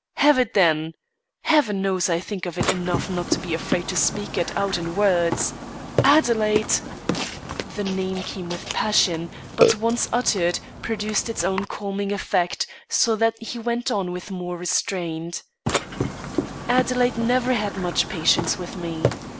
"Have it, then! Heaven knows I think of it enough not to be afraid to speak it out in words. Adelaide" the name came with passion, but once uttered, produced its own calming effect, so that he went on with more restraint "Adelaide never had much patience with me.